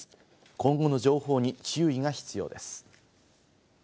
今後の情報に注意が必要です。